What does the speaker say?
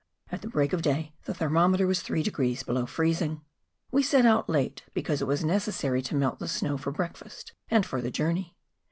At break of day the thermometer was three degrees below freezing. We set out late, because it was necessary to melt the snow for breakfast and for the journey.